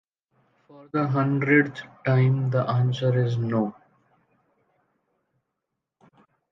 For the hundredth time, the answer is no.